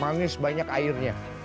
manis banyak airnya